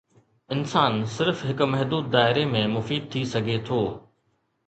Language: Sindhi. انسان صرف هڪ محدود دائري ۾ مفيد ٿي سگهي ٿو.